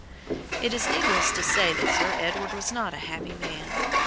It is needless to say that Sir Edward was not a happy man.